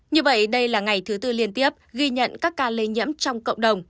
như vậy đây là ngày thứ tư liên tiếp ghi nhận các ca lây nhiễm trong cộng đồng